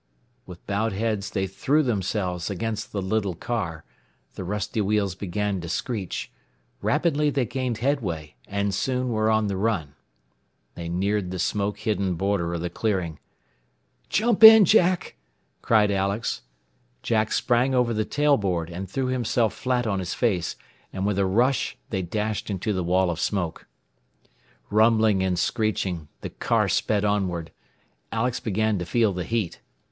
With bowed heads they threw themselves against the little car, the rusty wheels began to screech; rapidly they gained headway, and soon were on the run. They neared the smoke hidden border of the clearing. [Illustration: WITH A RUSH THEY DASHED INTO THE WALL OF SMOKE.] "Jump in, Jack!" cried Alex. Jack sprang over the tail board and threw himself flat on his face, and with a rush they dashed into the wall of smoke. Rumbling and screeching, the car sped onward. Alex began to feel the heat.